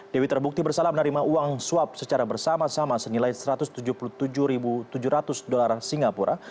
dewi terbukti bersalah menerima uang suap secara bersama sama senilai satu ratus tujuh puluh tujuh tujuh ratus dolar singapura